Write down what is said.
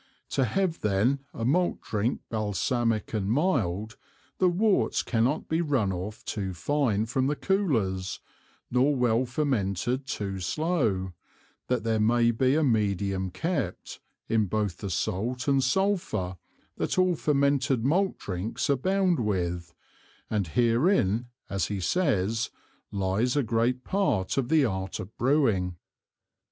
To have then a Malt Drink balsamick and mild, the Worts cannot be run off too fine from the Coolers, nor well fermented too slow, that there may be a Medium kept, in both the Salt and Sulphur that all fermented Malt Drinks abound with, and herein, as he says, lies a great part of the Art of Brewing.